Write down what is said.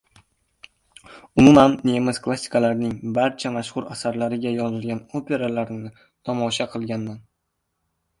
Umuman nemis klassiklarining barcha mashhur asarlariga yozilgan operalarni tomosha qilganman.